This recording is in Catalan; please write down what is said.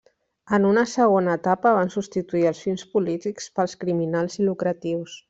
En una segona etapa van substituir els fins polítics pels criminals i lucratius.